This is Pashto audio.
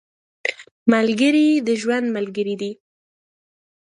ملګری د ژوند ملګری دی